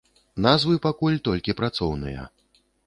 Назвы пакуль толькі працоўныя.